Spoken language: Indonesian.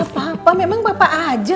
papa memang papa aja